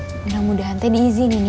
mudah mudahan teh diizinin ya min